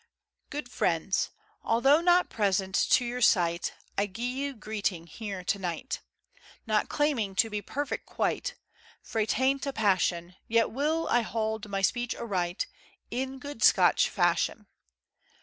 ] GUID FRIENDS: ALTHOUGH not present to your sight, I gie ye greeting here to night; Not claiming to be perfect quite, Frae taint o' passion, Yet will I hauld my speech aright, In guid Scotch fashion.